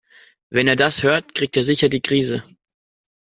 Wenn er das hört, kriegt er sicher die Krise.